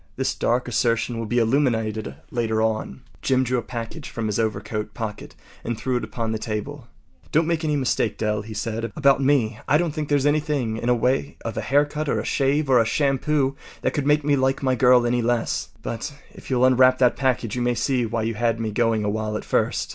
This dark assertion will be illuminated later on. Jim drew a package from his overcoat pocket and threw it upon the table. “Don’t make any mistake, Dell,” he said, “about me. I don’t think there’s anything in the way of a haircut or a shave or a shampoo that could make me like my girl any less. But if you’ll unwrap that package you may see why you had me going a while at first.